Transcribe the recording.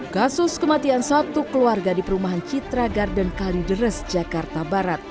kasus kematian satu keluarga di perumahan citra garden kalideres jakarta barat